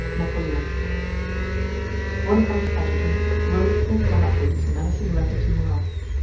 NAPOLEON Bonaparte's adjutant rode full gallop with this menacing letter to Murat.